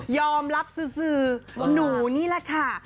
รับซื้อหนูนี่แหละค่ะ